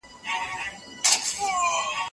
کله چي ګټي په ټکر کي سي سياسي کشمکش پيلېږي.